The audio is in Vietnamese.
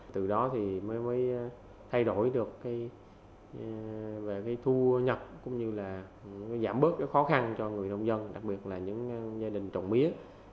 từ đó thì mới thay đổi được về cái thu nhập cũng như là giảm bớt cái khó khăn cho người nông dân đặc biệt là những gia đình trồng mía